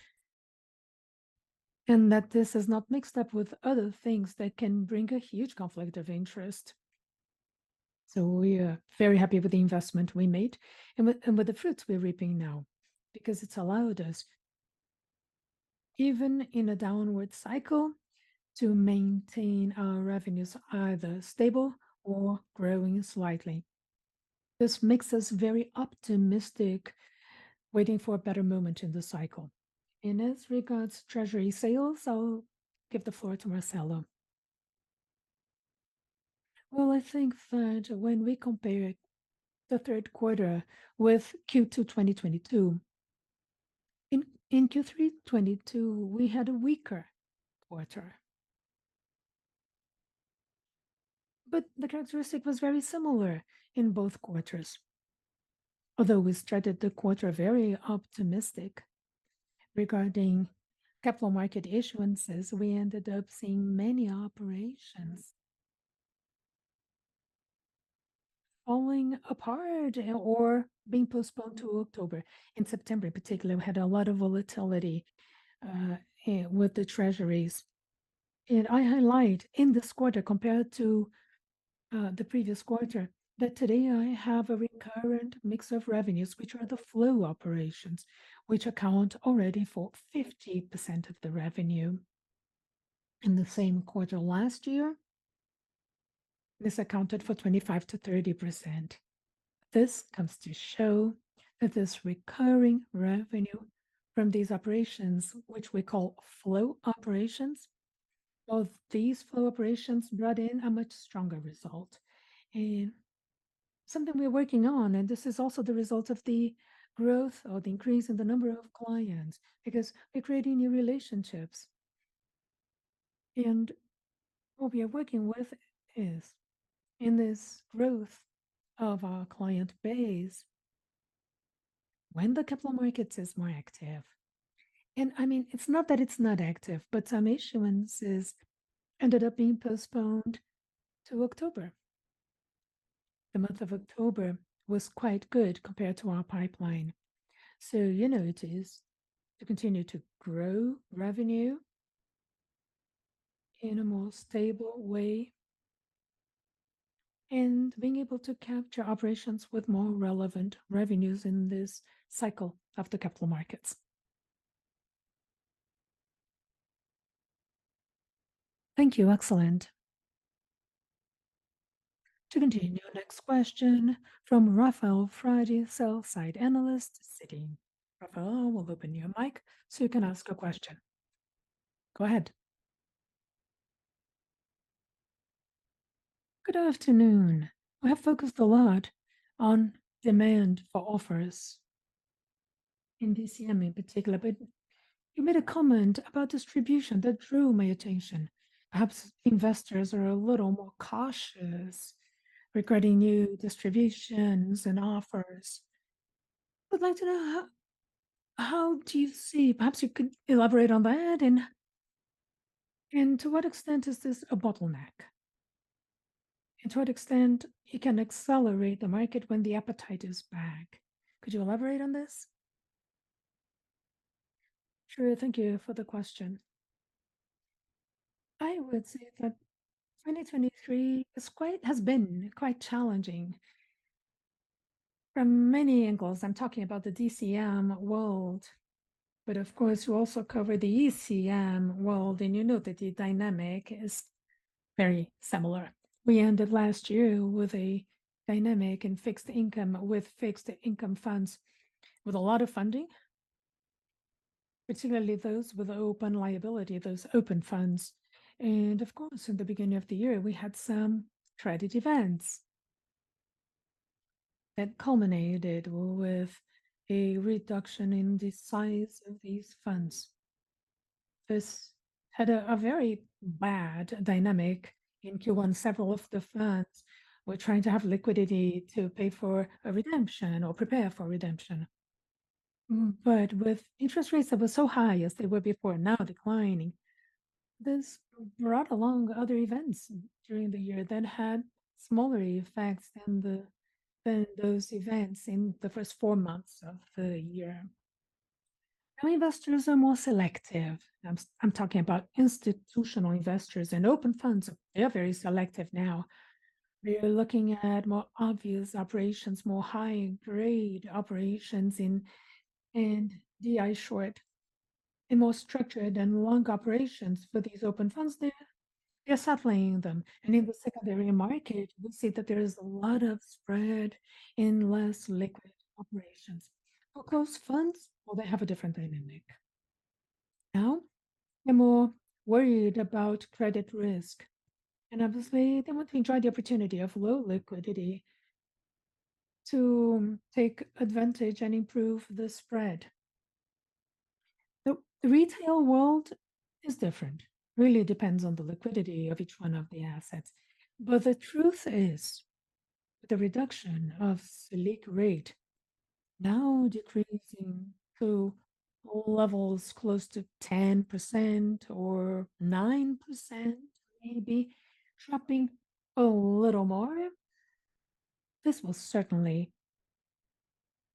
and that this is not mixed up with other things that can bring a huge conflict of interest. So we are very happy with the investment we made and with the fruits we're reaping now, because it's allowed us, even in a downward cycle, to maintain our revenues either stable or growing slightly. This makes us very optimistic, waiting for a better moment in the cycle. And as regards treasury sales, I'll give the floor to Marcelo. Well, I think that when we compare the third quarter with Q2 2022, in Q3 2022, we had a weaker quarter. But the characteristic was very similar in both quarters. Although we started the quarter very optimistic regarding capital market issuances, we ended up seeing many operations falling apart or being postponed to October. In September, in particular, we had a lot of volatility with the treasuries. I highlight in this quarter, compared to the previous quarter, that today I have a recurrent mix of revenues, which are the flow operations, which account already for 50% of the revenue. In the same quarter last year, this accounted for 25%-30%.... This comes to show that this recurring revenue from these operations, which we call flow operations, both these flow operations brought in a much stronger result. Something we're working on, and this is also the result of the growth or the increase in the number of clients, because we're creating new relationships. What we are working with is, in this growth of our client base, when the capital markets is more active, and, I mean, it's not that it's not active, but some issuances ended up being postponed to October. The month of October was quite good compared to our pipeline. So, you know, it is to continue to grow revenue in a more stable way, and being able to capture operations with more relevant revenues in this cycle of the capital markets. Thank you. Excellent. To continue, next question from Rafael Frade, sell-side analyst, Citi. Rafael, we'll open your mic so you can ask your question. Go ahead. Good afternoon. We have focused a lot on demand for offers in DCM in particular, but you made a comment about distribution that drew my attention. Perhaps investors are a little more cautious regarding new distributions and offers. I'd like to know, how do you see... Perhaps you could elaborate on that, and to what extent is this a bottleneck? And to what extent it can accelerate the market when the appetite is back? Could you elaborate on this? Sure. Thank you for the question. I would say that 2023 has been quite challenging from many angles. I'm talking about the DCM world, but of course, you also cover the ECM world, and you know that the dynamic is very similar. We ended last year with a dynamic in fixed income, with fixed income funds, with a lot of funding, particularly those with open liability, those open funds. And of course, in the beginning of the year, we had some credit events that culminated with a reduction in the size of these funds. This had a very bad dynamic in Q1. Several of the funds were trying to have liquidity to pay for a redemption or prepare for redemption. But with interest rates that were so high as they were before, now declining, this brought along other events during the year that had smaller effects than those events in the first four months of the year. Now, investors are more selective. I'm talking about institutional investors and open funds, they're very selective now. They're looking at more obvious operations, more high-grade operations in DI short, in more structured and long operations. For these open funds, they're settling them, and in the secondary market, we see that there is a lot of spread in less liquid operations. For closed funds, well, they have a different dynamic. Now, they're more worried about credit risk, and obviously, they want to enjoy the opportunity of low liquidity to take advantage and improve the spread. The retail world is different. Really depends on the liquidity of each one of the assets. But the truth is, the reduction of Selic rate, now decreasing to levels close to 10% or 9%, maybe dropping a little more, this will certainly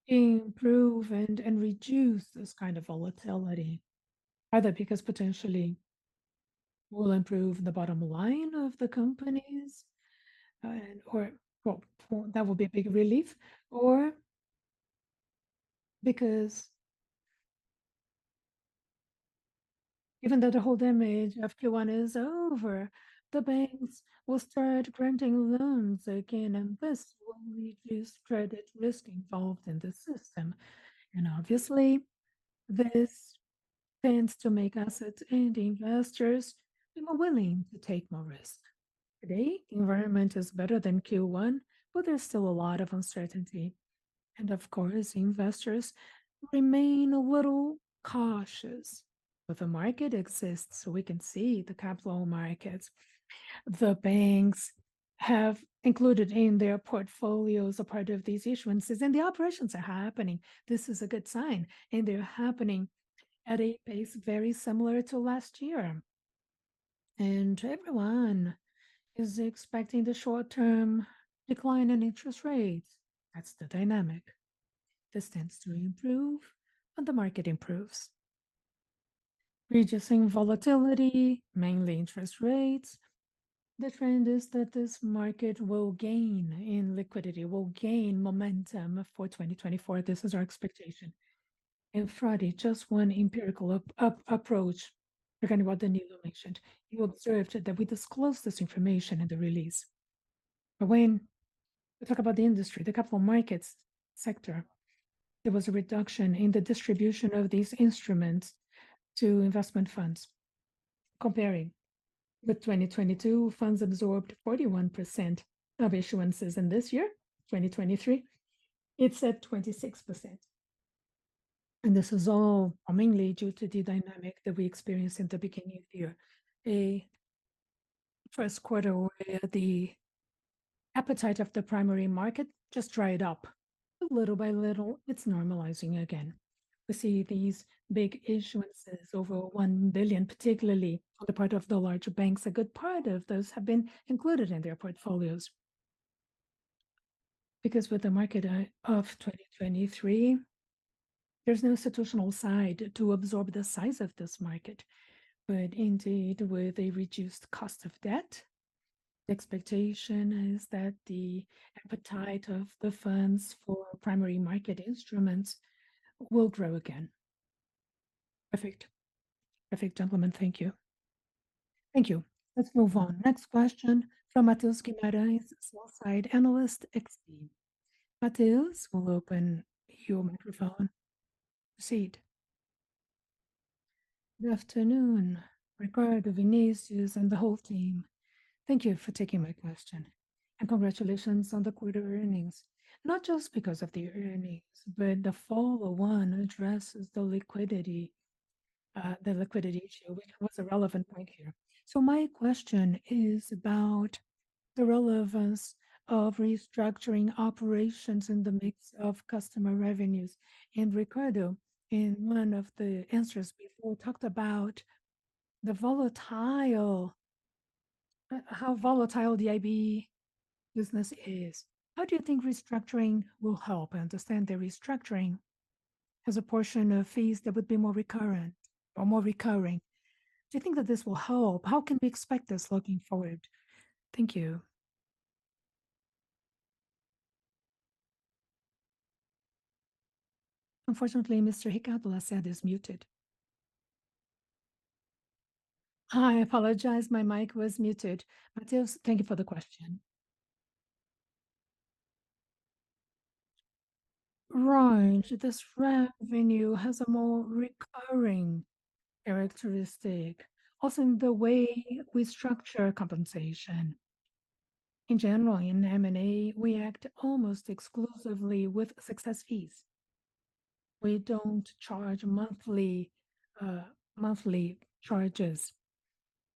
improve and reduce this kind of volatility. Either because potentially will improve the bottom line of the companies, and or, well, for... That will be a big relief, or because even though the whole damage of Q1 is over, the banks will start granting loans again, and this will reduce credit risk involved in the system. Obviously, this tends to make assets and investors be more willing to take more risk. Today's environment is better than Q1, but there's still a lot of uncertainty, and of course, investors remain a little cautious. The market exists, so we can see the capital markets. The banks have included in their portfolios a part of these issuances, and the operations are happening. This is a good sign, and they're happening at a pace very similar to last year. Everyone is expecting the short-term decline in interest rates. That's the dynamic. This tends to improve, and the market improves. Reducing volatility, mainly interest rates, the trend is that this market will gain in liquidity, will gain momentum for 2024. This is our expectation.... And Friday, just one empirical approach regarding what Danilo mentioned. You observed that we disclosed this information in the release. But when we talk about the industry, the capital markets sector, there was a reduction in the distribution of these instruments to investment funds. Comparing with 2022, funds absorbed 41% of issuances, and this year, 2023, it's at 26%. And this is all mainly due to the dynamic that we experienced in the beginning of the year. A first quarter where the appetite of the primary market just dried up, but little by little, it's normalizing again. We see these big issuances over 1 billion, particularly on the part of the larger banks. A good part of those have been included in their portfolios. Because with the market of 2023, there's no institutional side to absorb the size of this market. But indeed, with a reduced cost of debt, the expectation is that the appetite of the funds for primary market instruments will grow again. Perfect. Perfect, gentlemen. Thank you. Thank you. Let's move on. Next question from Matheus Guimarães, sell-side analyst, XP. Matheus, we'll open your microphone. Proceed. Good afternoon, Ricardo, Vinicius, and the whole team. Thank you for taking my question, and congratulations on the quarter earnings. Not just because of the earnings, but the follow-on addresses the liquidity, the liquidity issue, which was a relevant point here. So my question is about the relevance of restructuring operations in the mix of customer revenues. Ricardo, in one of the answers before, talked about the volatile-- how volatile the IB business is. How do you think restructuring will help? I understand the restructuring has a portion of fees that would be more recurrent or more recurring. Do you think that this will help? How can we expect this looking forward? Thank you. Unfortunately, Mr. Ricardo Lacerda is muted. I apologize, my mic was muted. Matheus, thank you for the question. Right, this revenue has a more recurring characteristic. Also, in the way we structure compensation. In general, in M&A, we act almost exclusively with success fees. We don't charge monthly, monthly charges.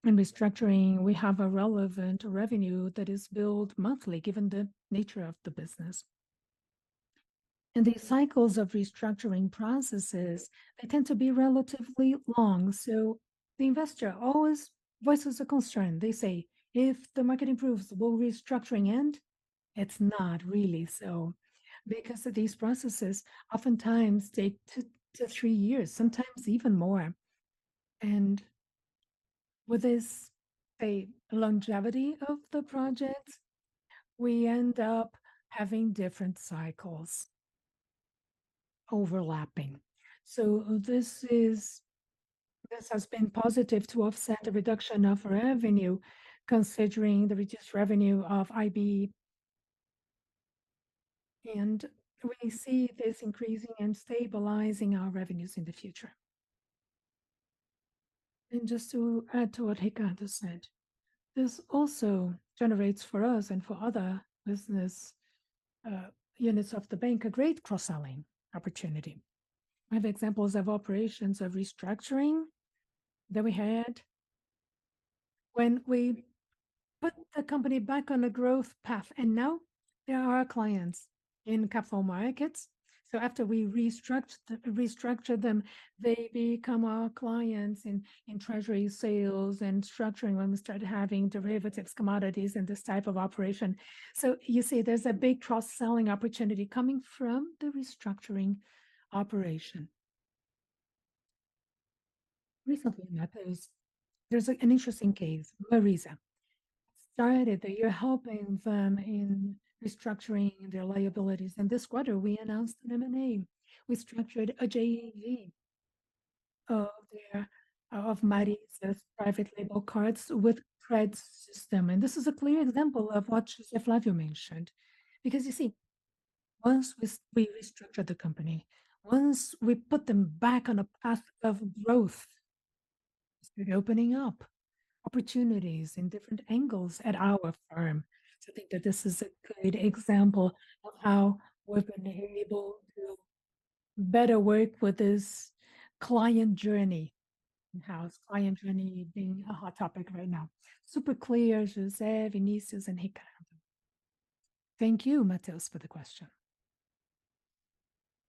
In restructuring, we have a relevant revenue that is billed monthly, given the nature of the business. And these cycles of restructuring processes, they tend to be relatively long. So the investor always voices a concern. They say, "If the market improves, will restructuring end?" It's not really so, because these processes oftentimes take two to three years, sometimes even more. With this, the longevity of the project, we end up having different cycles overlapping. So this has been positive to offset the reduction of revenue, considering the reduced revenue of IB. We see this increasing and stabilizing our revenues in the future. Just to add to what Ricardo said, this also generates for us and for other business units of the bank a great cross-selling opportunity. We have examples of operations of restructuring that we had when we put the company back on a growth path, and now they are our clients in capital markets. So after we restructure, restructure them, they become our clients in, in treasury sales and structuring, when we start having derivatives, commodities, and this type of operation. So you see, there's a big cross-selling opportunity coming from the restructuring operation. Recently, Matheus, there's an interesting case. Marisa started that we're helping them in restructuring their liabilities, and this quarter, we announced an M&A. We structured a JV, of their, of Marisa's private label cards with CredSystem. And this is a clear example of what José Flávio mentioned. Because, you see, once we, we restructured the company, once we put them back on a path of growth, they're opening up opportunities in different angles at our firm. So I think that this is a good example of how we've been able to better work with this client journey, and how client journey being a hot topic right now. Super clear, José, Vinicius, and Ricardo. Thank you, Matheus, for the question.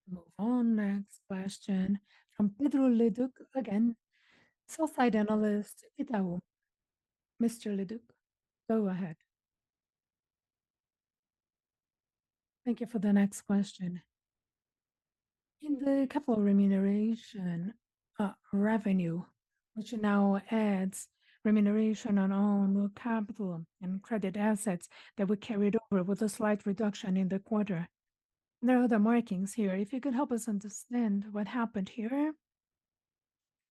Move on. Next question from Pedro Leduc again, sell-side analyst, Itaú. Mr. Leduc, go ahead. Thank you for the next question. In the capital remuneration, which now adds remuneration on our own capital and credit assets that were carried over with a slight reduction in the quarter. There are other markings here. If you could help us understand what happened here,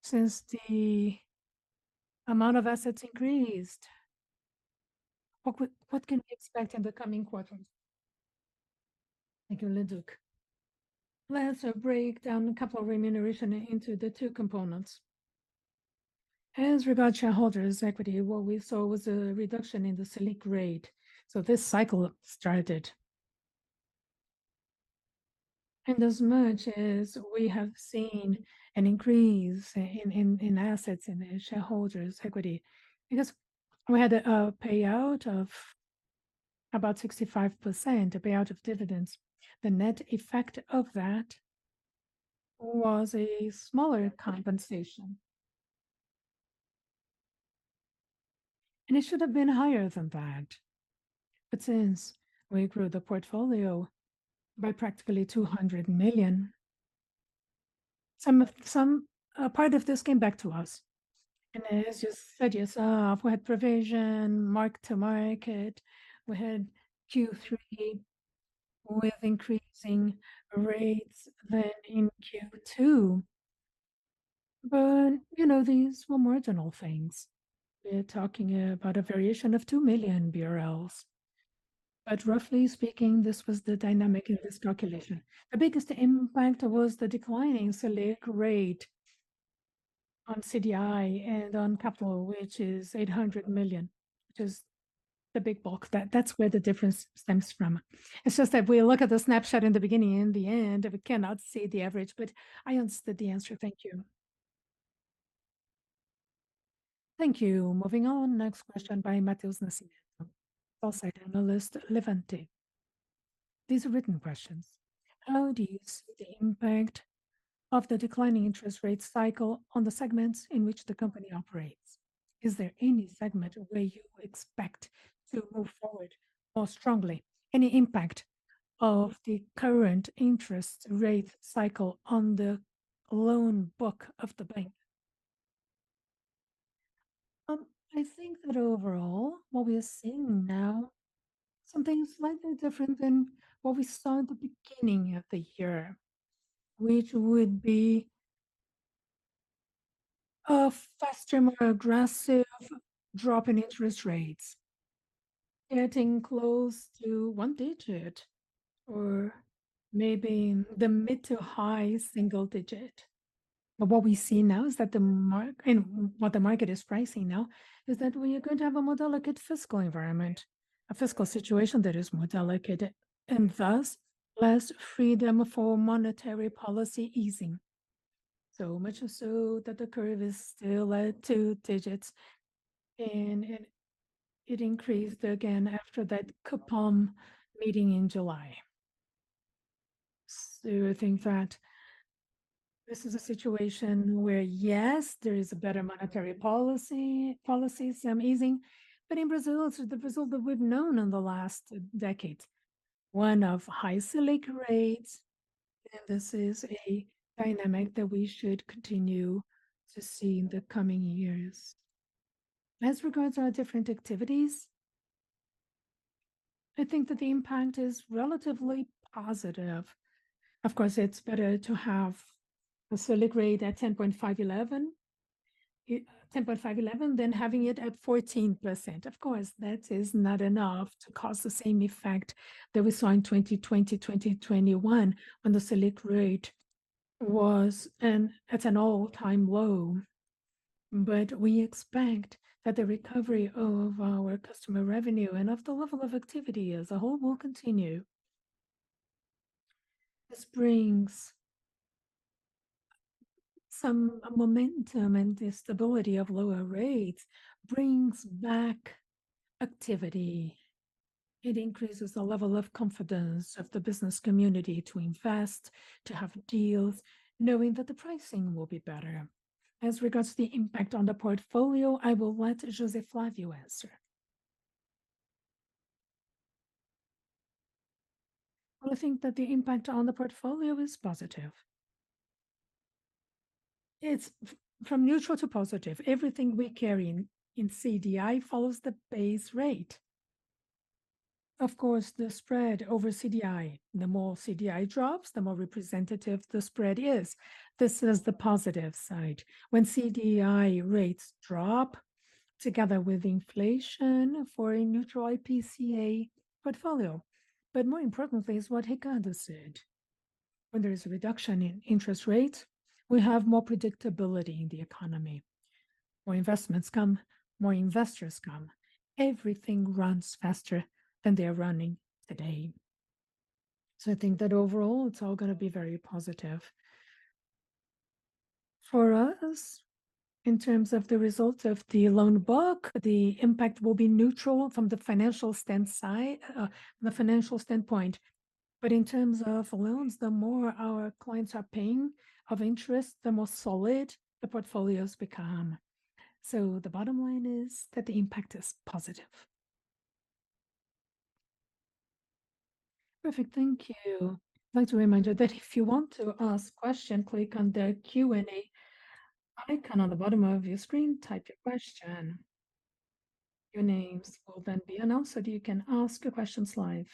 since the amount of assets increased, what could, what can we expect in the coming quarters? Thank you, Leduc. Let's break down a couple of remuneration into the two components. As regards shareholders' equity, what we saw was a reduction in the Selic rate, so this cycle started. As much as we have seen an increase in assets in the shareholders' equity, because we had a payout of about 65%, a payout of dividends, the net effect of that was a smaller compensation. It should have been higher than that, but since we grew the portfolio by practically 200 million, some part of this came back to us. As you said yourself, we had provision, mark to market, we had Q3 with increasing rates than in Q2. But, you know, these were marginal things. We're talking about a variation of 2 million BRL. But roughly speaking, this was the dynamic of this calculation. The biggest impact was the declining Selic rate on CDI and on capital, which is 800 million, which is the big box. That's where the difference stems from. It's just that we look at the snapshot in the beginning and the end, and we cannot see the average, but I understood the answer. Thank you. Thank you. Moving on, next question by Matheus Nascimento, sell-side analyst, Levante. These are written questions: How do you see the impact of the declining interest rate cycle on the segments in which the company operates? Is there any segment where you expect to move forward more strongly? Any impact of the current interest rate cycle on the loan book of the bank? I think that overall, what we are seeing now, something slightly different than what we saw at the beginning of the year, which would be a faster, more aggressive drop in interest rates, getting close to one digit or maybe the mid to high single digit. But what we see now is that the market and what the market is pricing now, is that we are going to have a more delicate fiscal environment, a fiscal situation that is more delicate, and thus, less freedom for monetary policy easing. So much so that the curve is still at two digits, and it, it increased again after that Copom meeting in July. So I think that this is a situation where, yes, there is a better monetary policy, policy, some easing, but in Brazil, it's the Brazil that we've known in the last decade, one of high Selic rates, and this is a dynamic that we should continue to see in the coming years. As regards our different activities, I think that the impact is relatively positive. Of course, it's better to have a Selic rate at 10.5, 11, than having it at 14%. Of course, that is not enough to cause the same effect that we saw in 2020, 2021, when the Selic rate was at an all-time low. But we expect that the recovery of our customer revenue and of the level of activity as a whole will continue. This brings some momentum, and the stability of lower rates brings back activity. It increases the level of confidence of the business community to invest, to have deals, knowing that the pricing will be better. As regards to the impact on the portfolio, I will let José Flávio answer. Well, I think that the impact on the portfolio is positive. It's from neutral to positive. Everything we carry in CDI follows the base rate. Of course, the spread over CDI, the more CDI drops, the more representative the spread is. This is the positive side. When CDI rates drop together with inflation for a neutral IPCA portfolio. But more importantly is what Ricardo said. When there is a reduction in interest rate, we have more predictability in the economy. More investments come, more investors come. Everything runs faster than they are running today. So I think that overall, it's all gonna be very positive. For us, in terms of the results of the loan book, the impact will be neutral from the financial stand side, the financial standpoint. But in terms of loans, the more our clients are paying of interest, the more solid the portfolios become. So the bottom line is that the impact is positive. Perfect, thank you. I'd like to remind you that if you want to ask question, click on the Q&A icon on the bottom of your screen, type your question. Your names will then be announced, so you can ask your questions live.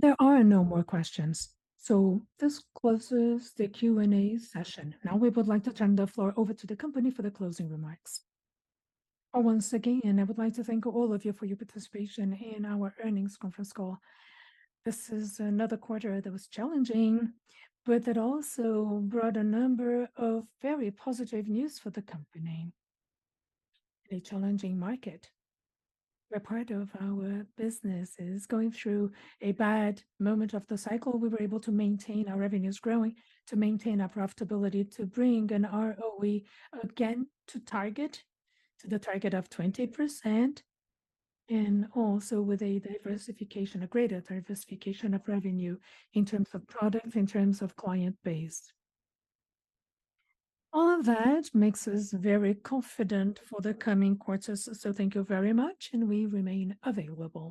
There are no more questions, so this closes the Q&A session. Now, we would like to turn the floor over to the company for the closing remarks. Once again, I would like to thank all of you for your participation in our earnings conference call. This is another quarter that was challenging, but it also brought a number of very positive news for the company. In a challenging market, where part of our business is going through a bad moment of the cycle, we were able to maintain our revenues growing, to maintain our profitability, to bring an ROE, again, to target, to the target of 20%, and also with a diversification, a greater diversification of revenue in terms of products, in terms of client base. All of that makes us very confident for the coming quarters. So thank you very much, and we remain available.